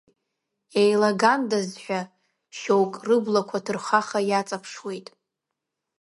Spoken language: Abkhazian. Еилгандаз ҳәа шьоук рыблақәа ҭырхаха иаҵаԥшуеит.